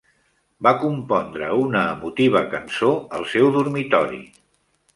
Va compondre una emotiva cançó al seu dormitori.